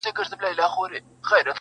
ستا د کیږدۍ له ماښامونو سره لوبي کوي-